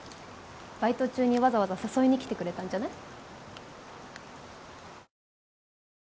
バイト中にわざわざ誘いに来てくれたんじゃない？